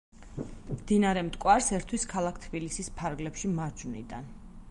მდინარე მტკვარს ერთვის ქალაქ თბილისის ფარგლებში მარჯვნიდან.